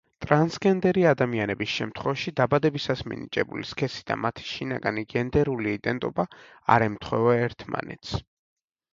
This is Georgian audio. ტრანსგენდერი ადამიანების შემთხვევაში, დაბადებისას მინიჭებული სქესი და მათი შინაგანი გენდერული იდენტობა არ ემთხვევა ერთმანეთს.